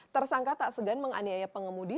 tersangka tak segan menganiaya pengemudi